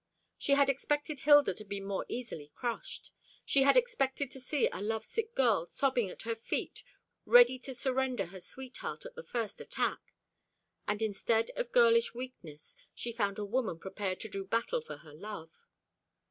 She had expected Hilda to be more easily crushed. She had expected to see a love sick girl sobbing at her feet, ready to surrender her sweetheart at the first attack. And instead of girlish weakness, she found a woman prepared to do battle for her love.